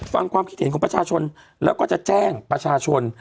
ฟังความคิดเห็นของประชาชนแล้วก็จะแจ้งประชาชน